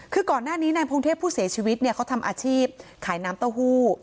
คือก่อนหน้านี้นายพงเทพผู้เสียชีวิตเนี่ยเขาทำอาชีพขายน้ำเต้าหู้